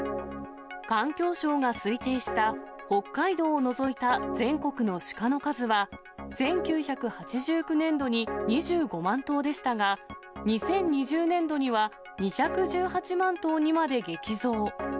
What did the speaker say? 環境省が推定した、北海道を除いた全国のシカの数は、１９８９年度に２５万頭でしたが、２０２０年度には２１８万頭にまで激増。